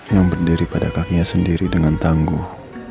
yang berdiri pada kakinya sendiri dengan tangguh